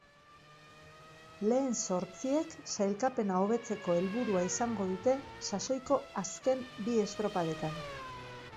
Lehen zortziek sailkapena hobetzeko helburua izango dute sasoiko azken bi estropadetan.